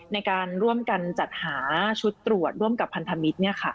ในการร่วมกันจัดหาชุดตรวจร่วมกับพันธมิตร